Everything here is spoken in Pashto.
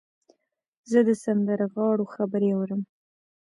زه د سندرغاړو خبرې اورم.